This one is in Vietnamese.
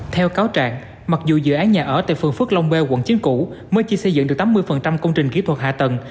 theo cáo trạng mặc dù dự án nhà ở tại phường phước long b quận chín củ mới chỉ xây dựng được tám mươi công trình kỹ thuật hạ tầng